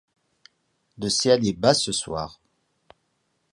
Le ciel est bas ce soir